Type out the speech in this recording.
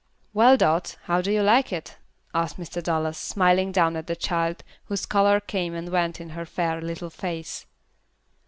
"Well, Dot, how do you like it?" asked Mr. Dallas, smiling down at the child whose color came and went in her fair little face.